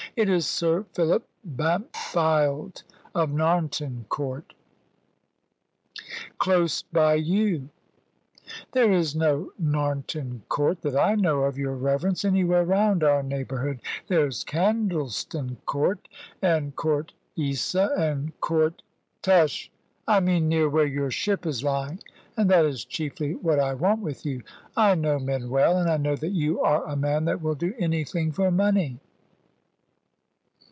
It is Sir Philip Bampfylde of Narnton Court, close by you." "There is no Narnton Court, that I know of, your reverence, anywhere round our neighbourhood. There is Candleston Court, and Court Isa, and Court " "Tush, I mean near where your ship is lying. And that is chiefly what I want with you. I know men well; and I know that you are a man that will do anything for money."